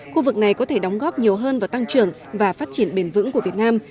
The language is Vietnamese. khu vực này có thể đóng góp nhiều hơn vào tăng trưởng và phát triển bền vững của việt nam